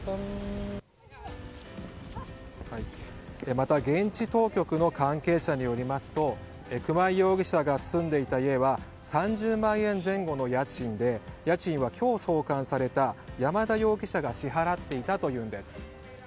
また現地当局の関係者によりますと熊井容疑者が住んでいた家は３０万円前後の家賃で家賃は今日送還された山田容疑者が支払っていたというんです。